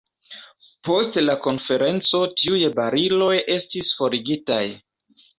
Post la konferenco tiuj bariloj estis forigitaj.